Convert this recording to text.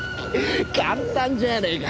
簡単じゃねえか。